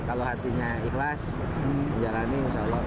kalau hatinya ikhlas menjalani insya allah